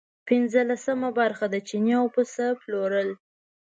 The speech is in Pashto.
پنځلسمه برخه د چیني او پسه پلورل.